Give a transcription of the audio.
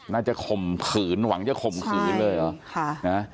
น่าจะข่มขืนหวังจะข่มขืนเลย